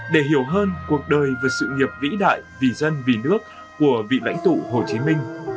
để hiểu hơn cuộc đời và sự nghiệp vĩ đại vì dân vì nước của vị lãnh tụ hồ chí minh